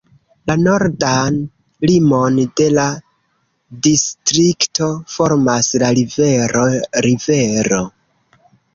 La nordan limon de la distrikto formas la rivero rivero.